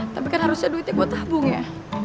tapi kan harusnya duitnya buat tabung ya